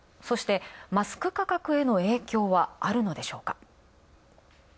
そして、マスク価格への影響は、あるのでしょうか。